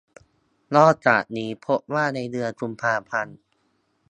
นอกจากนี้ พบว่าในเดือนกุมภาพันธ์